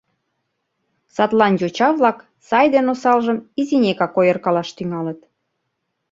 Садлан йоча-влак сай ден осалжым изинекак ойыркалаш тӱҥалыт.